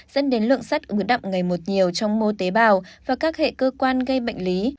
dẫn đến lượng sắt ứng đậm ngày một nhiều trong mô tế bào và các hệ cơ quan gây bệnh lý